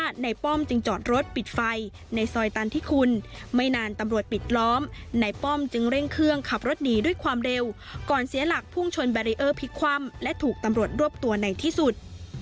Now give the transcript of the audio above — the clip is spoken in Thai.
โดนแบรีเออร์พิคความและถูกตำรวจรวบตัวในที่สุด